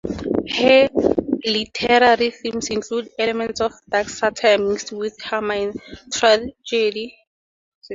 Her literary themes include elements of dark satire mixed with humour and tragedy.